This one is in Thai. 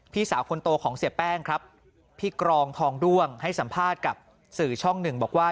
พี่สาวคนโตของเสียแป้งครับพี่กรองทองด้วงให้สัมภาษณ์กับสื่อช่องหนึ่งบอกว่า